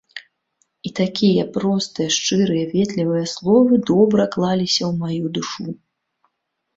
І такія простыя шчырыя ветлівыя словы добра клаліся ў маю душу.